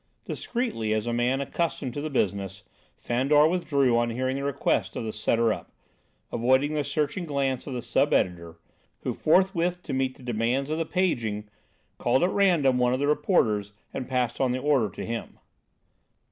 '" Discreetly, as a man accustomed to the business, Fandor withdrew on hearing the request of the "setter up," avoiding the searching glance of the sub editor, who forthwith to meet the demands of the paging, called at random one of the reporters and passed on the order to him.